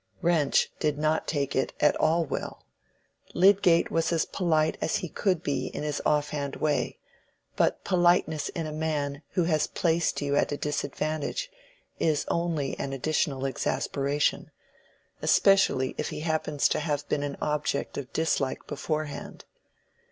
Wrench did not take it at all well. Lydgate was as polite as he could be in his offhand way, but politeness in a man who has placed you at a disadvantage is only an additional exasperation, especially if he happens to have been an object of dislike beforehand.